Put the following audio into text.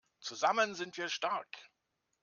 Zusammen sind wir stark!